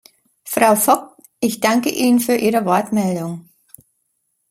Frau Fouque, ich danke Ihnen für Ihre Wortmeldung.